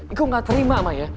aku gak terima ma ya